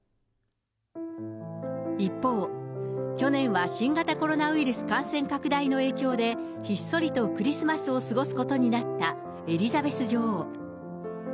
一方、去年は新型コロナウイルス感染拡大の影響で、ひっそりとクリスマスを過ごすことになったエリザベス女王。